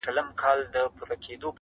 زه د تورسترگو سره دغسي سپين سترگی يمه.